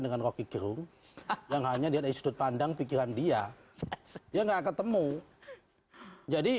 dengan rocky kirung yang hanya dia istudut pandang pikiran dia ya nggak ketemu jadi